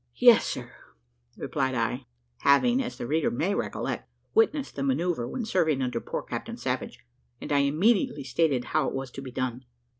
"Yes, sir," replied I, having, as the reader may recollect, witnessed the manoeuvre when serving under poor Captain Savage, and I immediately stated how it was to be done.